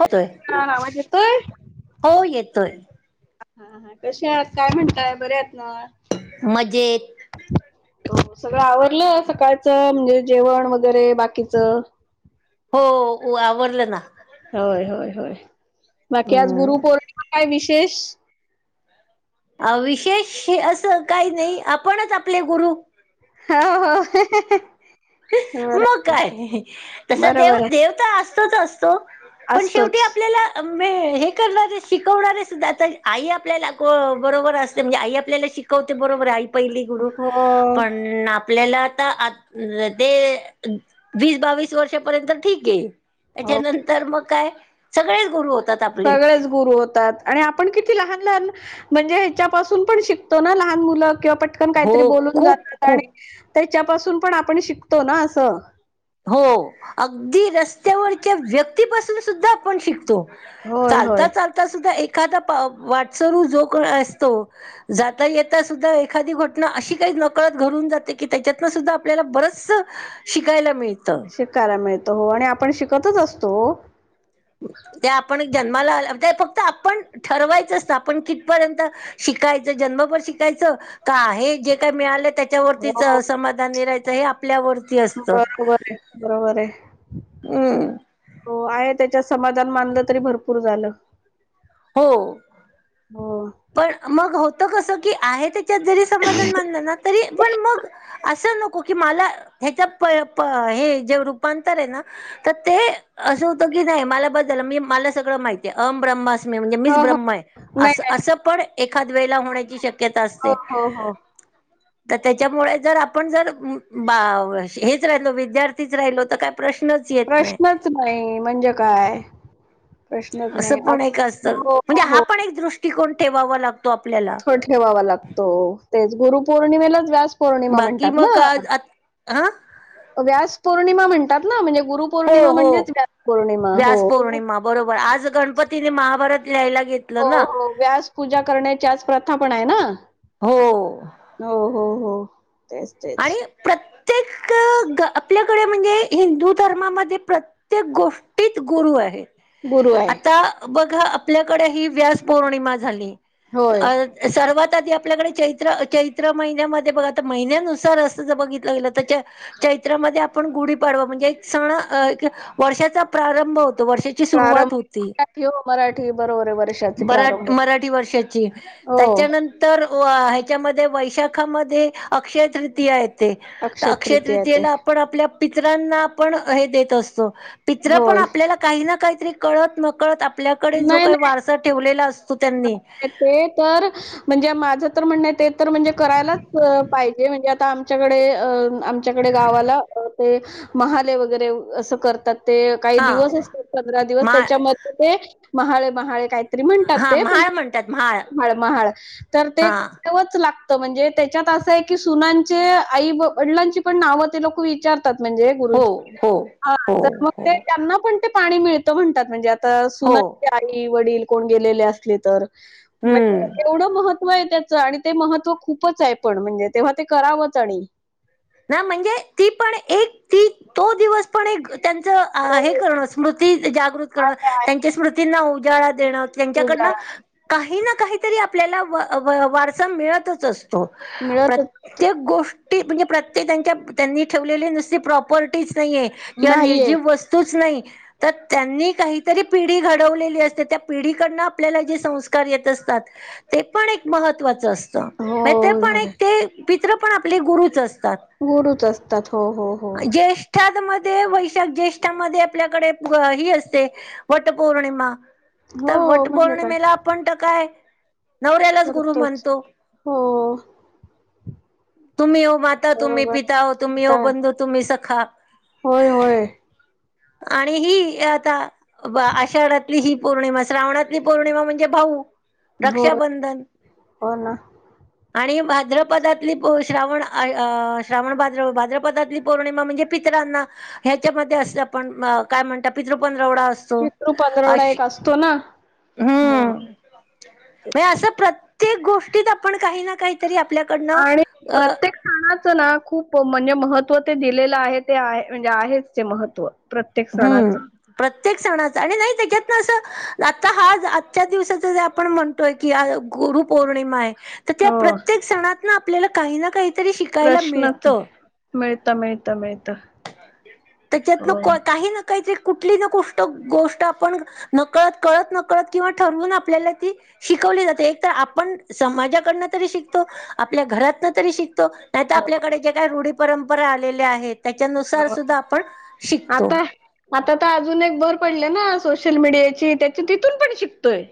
होतोय हा हा आवाज येतोय? हो येतोय. हा हा कशे हायत काय म्हणताय बरे आहेत ना? मजेत हो सगळं आवरलं सकाळचा म्हणजे जेवण वगैरे बाकीचा? हो ओ आवरलं ना. होय होय होय बाकी आज गुरु हम्म पौर्णिमा काय विशेष? अ विशेष असं काही नाही आपणच आपले गुरु. हा हो. बर मग काय तसं देव बरोबर देव तर असतच असतो. आहे पण शेवटी असतोच आपल्याला मे हे करणारे शिकवणारे सुद्धा आता आई आपल्या लागो बरोबर असते म्हणजे आई आपल्याला शिक कवते बरोबर आई पहिली गुरु हो पण आपल्याला आता आत ते वीस बावीस वर्षापर्यंत ठीक आहे हो त्याच्यानंतर मग काय सगळेच गुरू हो सगळेच गुरु होतात. आणि आपण किती लहान लहान म्हणजे ह्याच्यापासून पण शिकतो ना लहान मुलं किंवा पट कन काहीतरी हो बोलून खूप जातात आणि खूप त्याच्यापासून पण आपण शिकतो ना असं. हो अगदी रस्त्यावरच्या व्यक्तीपासून सुद्धा आपण शिकतो. होय चालता होय चालता सुद्धा एखादा प वाटसरू जो का असतो जाता येता सुद्धा एखादी घटना अशी काही नकळत घडून जाते की त्याच्यातनं सुद्धा आपल्याला बरच शिकायला मिळतं. हे करा मिळतो आणि आपण शिकतच असतो. ते आपण ही जन्माला ते फक्त आपण ठरवायचंच असतं आपण कित पर्यंतं शिकायचं जन्मभर शिकायचं का आहे जे काय मिळालं त्या हो त्यावर्तीच समाधानि राहायचं हे आपल्यावरती असतं. बरोबर आहे, बरोबर आहे. उम्म. हो आहे त्याच्यात समाधान मानलं तरी भरपूर झालं. हो. हो. पण मग होतं कसं की आहे त्याच्यात जरी समाधान मानलं ना तरी पण मग अ सं नको की मला ह्याचा प प हे रूपांतर आहे ना तर ते असं होतं की नाय मला बस झालं मी मला सगळं माहिती अहम ब्रह्मास मेव म्हणजे हो, मीच हो. ब्रह्मा आहे नाही, असं नाही. असं पण एखाद वेळेला होण्याची शक्यता हो, असते. हो, हो. [unintelligible] तर त्याच्यामुळे जर आपण जर हेच उम्म बाव अशी हेच राहिलो विद्यार्थीच राहिलो तर काय प्रश्नच येत नाही प्रश्नच नाही म्हणजे काय. प्रश्नच नाही. असं आ पण एक असतं हो, हो, म्हणजे हा हो. पण एक दृष्टिकोण ठेवावा लागतो आपल्याला. तो ठेवावा लागतो तेच गुरु पौर्णिमेलाच व्यास पौर्णिमा बाकी म्हणतात ना मग आ हा व्यास पौर्णिमा म्हणतात ना म्हणजे गुरु हो पौर्णिमा हो म्हणजेच व्यास पौर्णिमा हो. व्यास पौर्णिमा बरोबर आज गणपतीने महाभारत लिहायला हो घेतलं ना हो व्यास पूजा करण्याची आज प्रथा पण आहे ना. हो हो हो हो तेच तेच. आणि प्रत्येक क गं आपल्याकडे म्हणजे हिंदू धर्मामध्ये प्रत्येक गोष्टीत गुरु आहे. गुरु आहे. आता बघा आपल्याकडे ही व्यास पौर्णिमा झाली. होय. सर्वात आधी आपल्याकडे चैत्र चैत्र महिन्यामध्ये बघा आता महिन्या नुस सार असज बघितलं गेलं त्याच्या चैत्रामध्ये आपण गुढी पाडवा म्हणजे एक सण अ क वर्षाचा प्रारंभ होतो वर्षा प्रारंभ सुरवात होती मराठी हो मराठी बरोबर आहे वर्षाचे बरट प्रारंभ मराठी वर्षाची हो त्याच्यानं तर व ह्याच्यामध्ये वैशाखामध्ये अक्षय तृतीय आहे ते तर अक्षय तृतीया आहे ते तृतीयेला आपण आपल्या पित्रांना आपण हे देत असतो पित्र पण होय आपल्याला काही ना काहीतरी कळत न कळत आपल्याकडे जो नाही काही नाही वारसा ठेवलेला असतो त्यांनी ते तर म्हणजे माझं तर म्हणणं ते तर म्हणजे करायलाच पाहिजे म्हणजे आता आमच्याकडे अ अम च्याकडे गावाला अ ते महाले वगैरे असं करतात. ते काही हा दिवस असते पंधरा दिवस माळ त्याच्यामध्ये ते महाळे महाळे काही तरी म्हणतात हा ते पण म्हाळ म्हणतात म्हाळ महाळ महाळ तर हा तेवच लाग तो म्हणजे त्याच्यात असं आहे की सुनांचे आई वडिलांची पण नावं ते लोकं विचारतात म्हणजे हो गुरुजी हो हा हो तर मग ते हो त्यांना पण ते पाणी मिळतं म्हणतात म्हणजे आता हो सुनांचे आई वडील कोण गेलेले असले तर हम्म म्हणजे एवढं महत्त्व आहे त्याच आणि ते महत्त्व खूपच आहे पण म्हणजे तेव्हा ते करावंच आणि ना म्हणजे ती पण एक ती तो दिवस पण एक त्यांचं अ हे होय, करणं स्मृती जागृत हां, करणं, ते आहे. त्यांच्या स्मृतींना उजाळा देणं त्यांच्याकडनं उजाळा काही ना काहीतरी आपल्याला व, व वारसा मिळतच असतो. मिळतच प्रत असतो. त्येक गोष्टी म्हणजे प्रत्येक त्यांच्या त्यांनी ठेवलेले नुसते प्रॉपर्टीच नाहीये. किंवा नाहीये. निर्जीव वस्तूच नाही. तर त्यांनी काहीतरी पिढी घडवलेली असते, त्या पिढीकडन आपल्याला जे संस्कार येत असतात. ते पण एक महत्वाचं अस ते होय, पण होय. एक ते पित्र पण आपले गुरुच असतात. गुरुच असतात हो हो. हो. ज्येष्ठां मध्ये वैशाख ज्येष्ठामध्ये आपल्याकडे ही असते. वटपौर्णिमा तर हो, म्हणजे काय वटपौर्णिमेला आपण त काय. नवऱ्यालाच गुरु करतोच म्हणतो हो. तुम्ही हो माता तुम्ही बरोबर. पिता हो, तुम्ही पिता हो बंधू तुम्ही सखा. होय होय. आणि हि आता. बा आषाढातली ही पौर्णिमा श्रावणातली पौर्णिमा म्हणजे भाऊ. होय, रक्षाबंधन. हो ना. आणि भाद्रपदातली प श्रावण श्रावण भाद्र भाद्रपदातली पौर्णिमा म्हणजे. पित्रांना ह्याच्यामध्ये, अस पण काय म्हणत पितृ पंधरवडा अस तो पितृ पंधरवडा अशी एक असतो ना. हां, हम्म म तेच. असं प्रत प्रत्येक गोष्टीत आपण काही ना काही. तरी आपल्याकडून. आणि प्रत्येक खछानाचं ना खूप म्हणजे महत्त्व ते दिलेलं आहे ते आहे म्हणजे आहेच ते महत्त्व प्रत हम्म. प्रत्येक सणाच आणि नाही त्याच्यात ना असं आता हा आजच्या दिवसाच जे आपण म्हण तोय की आ गुरु पूर्णिमा आहे तर त्या हो प्रत्येक सणात ना आपल्याला काही ना काही. प्रश्नच, मिळत मिळत मिळत. त्याच्यात ना काही ना काहीरी कुठली ना गष्ट गोष्ट आपण. नकळत कळत नकळत किंवा ठरवून आपल्याला ती. शिकवली जाते एक तर आपण समाजाकडनं तरी शिकतो आपल्या घरातन तरी शिक तो नाही तर हो आपल्याकडे जे काही रुढी परंपरा आलेल्या आहेत. त्या हो आता आता तर अजून एक भर पडले ना सोशल मीडियाची, त्याची तिथून पण शिकतोय.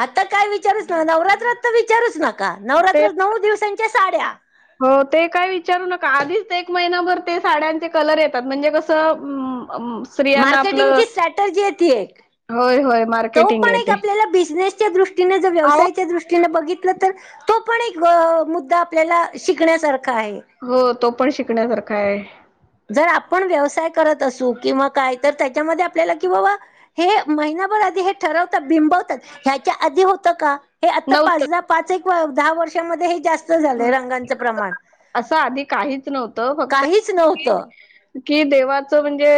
आता काय विचारूच न नवरात्रात तर विचारूच नका ते नवरात्रात नऊ दिवसांच्या साड्या. हो ते काय विचारू नका आधीच एक महिनाभर ते साड्यांचे कलर येतात म्हणजे कसं, अं अम्म. मार्केटिंगची स्ट्रॅटर्जीय ती एक. होय होय तो मार्केटिंग पण आहे एक ते. आपल्याला बिझनेसच्या दृष्टीने जो आहो व्यवसायाच्या दृष दृष्टीने बघितलं तर तो पण एक मुद्दा आपल्याला शिकण्यासारखा आहे. हो तो पण शिकण्यासारखा आहे. जर आपण व्यवसाय करत असू किंवा काय तर त्याच्यामध्ये आपल्याला कि बाबा. हे महिनाभर आधी हे ठरवतात बिंबवतात ह्याच्या आधी होत का? हे आता नव्हतं पाचदा पाच एक दहा वर्षामध्ये हे जास्त स्त झालंय रंगांच प्रमाण असं आधी काहीच नव्हतं फक्त काहीच नव्हत कि देवाचं म्हणजे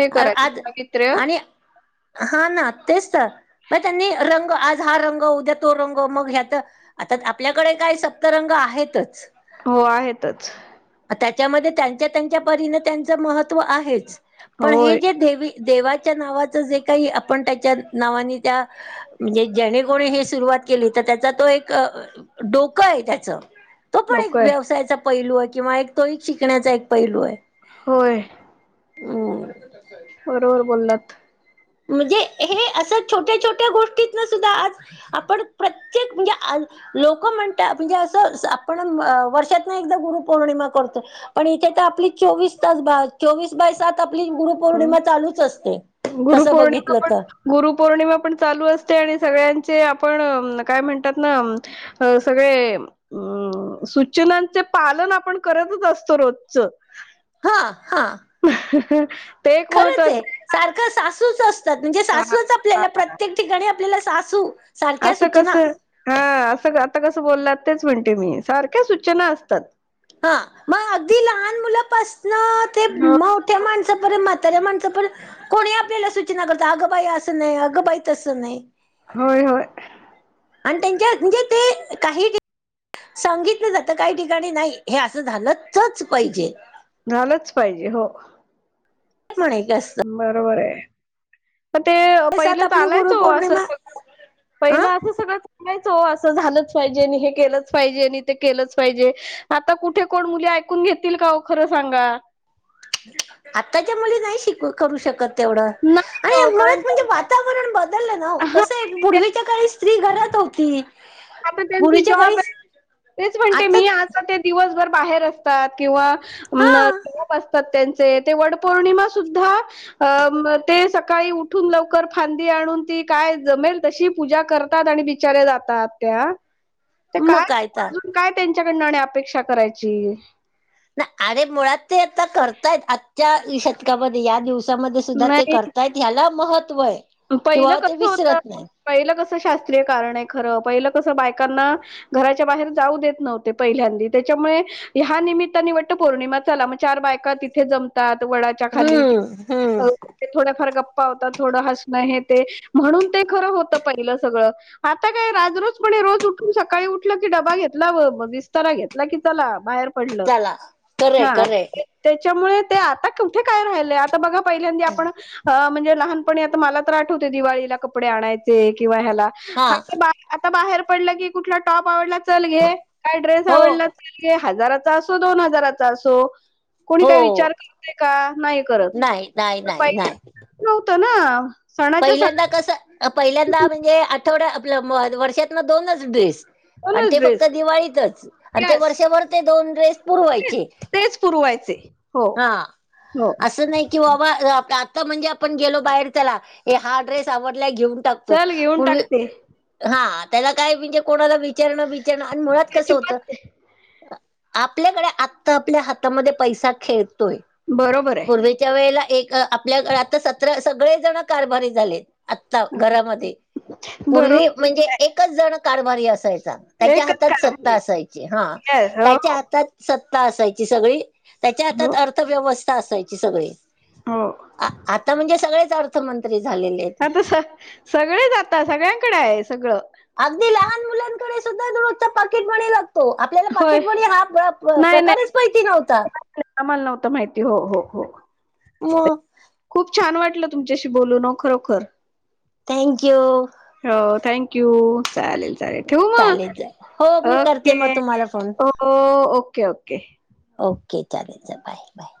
हे करायचं आज पावित्र्य. आणि हा ना तेच तर मग रंग आज हा रंग उद्या तो मग ह्यात आता आपल्याकडे काय सप्तरंग आहेतच. हो आहेतच. त्याच्यामध्ये त्यांच्या त्यांच्या परीने त्यांच महत्व आहेच पण हे होय जे देवी. देवाच्या नावाचं जे काही आपण त्याच्या नावाने त्या. म्हणजे जेने कोणी हे सुरुवात केली. तर त्याचा तो एक डोकं आहे त्याच. तो पण एक डोकं आहे व्यवसायाचा पैलू आहे. किंवा एक तो एक शिकण्याचा एक पैलू आहे. होय. [inaudible] बरोबर बोलात. म्हणजे हे असं छोट्या छोट्या गोष्टीत न सुद्धा आज आपण प्रत्येक म्हणजे. लोक म्हणतात. म्हणजे असं आपण वर्षात ना एकदा गुरुपौर्णिमा करतो. पण इथे तर आपली चोवीस तास चोवीस बाय सात आपली हम्म गुरुपौर्णिमा चालूच असते. तसं गुरुपौर्णिमा बघितलं पण. तर गुरुपौर्णिमा पण असते. आणि सगळ्यांचे आपण काय म्हणतात ना. अ सगळे अं. हम्म सूचनांचे पालन आपण करतच असतो रोजचं. हां. ते एक महत्त्वाचं. सारखं सासूच अस तात म्हणजे सासूच हा आपल्याला हा. प्रत्येक ठिकाणी आपल्याला सासू सारख्या असं सूचना. कसं हा असं आता कसं बोलात. तेच म्हणते मी सारख्या सूचना असतात. हा मग अगदी लहान मुलापासन ते हो. मो त्या माणसापरेन म्हाताऱ्या माणसापरेन. कोणी आपल्याला सूचना करत. अगबाई असं नाही अगंबाई तसं नाही. होय होय. आणि त्यांच्या म्हणजे ते काही ठि सांगितलं जातं. काही ठिकाणी नाही हे असं झालंच पाहिजे. झालंच पाहिजे हो. [unintelligible] बरोबर ये. मग ते सात पहिलं आपली चालायचं गुरु हो असं, पौर्णिमा पहिलं अं असं सगळं चा नाहीच हो असं झालंच पाहिजे. आणि हे केलंच पाहिजे आणि ते केलंच पाहिजे. आता कुठे कोण मुली ऐकून घेतील का ओ खरं सांगा. आताच्या मुली नाही शिक करू शकत तेवढं. नाही आणि ओ कारण मुळात म्हणजे त्यांच वाताव वातावरण बदलं ना ओ हा कसाय पूर्वीच्या काळात आ स्त्री घरात होती. आता त्यांचे पूर्वीच्या जॉब काळी आहेत. तेच म्हणते मी आता ते दिवसभर बाहेर असतात. किंवा, हा अ जॉब असतात. त्यांचे ते वड पौर्णिमा सुद्धा. ते सकाळी उठून लवकर फांदी आणून ती काय जमेल तशी पूजा करतात. आणि बी बिचारे जातात. त्या ते मग काय तर अजून काय त्यांच्याकडं आणि अपेक्षा करायची. अरे मुळात ते आता करतायेत. आजच्या शतकामध्ये या दिवसा हेच्यामध्ये सुधा ते नाही करतायेत. ह्याला महत्व आहे पहिलं किंवा ते कसं होतं विसरत नाही. पहिलं कसं शास्त्रीय कारण आहे. खरं पहिलं कसं बायकांना. घराच्या बाहेर जाऊ देत नव्हते. पहिल्यांदी तेच्यामुळे. ह्या निमित्ताने वाट पौर्णिमा ला मग चार बायका तिथे जमतात वडाच्या खाली. हम्म हम्म ते थोड्याफार गप्पा होतात थोडं हसणं हे ते. म्हणून ते खरं होतं पहिलं सगळं. आता काय राज रोजपणे रोज उठून सकाळी उठलं की, डबा घेतला व मग विस्तारा घेतला की चला बाहेर. पडलं त्याला खरंय हा. खरंय त्याच्यामुळे ते आता कुठे काय राहिलंय आता बघा पहिल्यांदा आपण अ म्हणजे लहानपता मला तर आठवते दिवाळीला कपडे आणायचे किंवा ह्याला हा आता बाहेर पडलं की कुठला टॉप आवडला चल घे काय ड्रेस हो आवडला चल घे हजाराचा असो दोन हजाराचा असो कोणी हो काही विचार करत का नाही करत नाही नाही. तर नाही पहिला नाही पै नव्हत ना. सणाच्या सणात पहिल्यांदा कसं पहिल्यांदा म्हणजे आठवडा आपला वर्षात ना दोनच ड्रेस आणि ते दोनच फक्त ड्रेस दिवाळीतच आणि ते येस वर्षभर ते दोन ड्रेस तेच पुरवायचे. तेच पुरवायचे हो हा हो असं नाही कि बाबा आता म्हणजे आपण गेलो बाहेर त्याला, ए हा ड्रेस आवडलाय घेऊन टाकतो चल घेऊन म्हणू टाकते हा त्याला काय म्हणजे कोणाला विचारणं बचारणं आणि मुळात त्याची कसं होत. पत आपल्याकडे आत्ता आपल्या हातामध्ये पैसा खेळतोय. बरोबर आहे पूर्वीच्या वेळेला एक आपल्या आता सतरा, सगळे जण कारभारी झाले. आता घरामध्ये, पूर्वी बरोबर म्हणजे आहे. एकच जण कारभारी असायचा. त्याच्या एकच हातात कारभार सत्ता आहे असायची हा येस हो त्याच्या हातात सत्ता असायची सगळी, त्याच्या हातात हो अर्थव्यवस्था असायची सगळी. हो. आ आता म्हणजे सगळेच अर्थमंत्री झालेले. आता स सगळेच जाता सगळ्यांकडे आहे सगळं. अगदी लहान मुलांकडे सुद्धा रोजचा पाकिटमणी लागतो. आपल्याला होय पाकिट म्ह हा नाही नाही प्रकारच पाहिती नव्हता. आम्हाला नव्हतं माहिती, हो हो हो. मग. खूप छान वाटलं तुमच्याशी बोलून ओ खरोखर. थँक्यू. हो थँक यू चालेल. ठेवू मग? चालेल चालेल हो मी चाले करते ठेव मग म तुम्हाला phone. Okay okay okay. Okay चालेल बाय बाय.